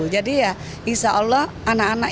jadi ya insya allah anak anak